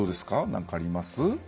なんかあります？